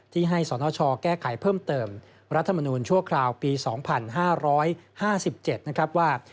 ที่ให้สนชแก้ไขเพิ่มเติมรัฐมนูลชั่วคราวปี๒๕๕๗นะครับว่า